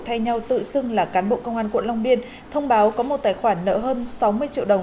thay nhau tự xưng là cán bộ công an quận long biên thông báo có một tài khoản nợ hơn sáu mươi triệu đồng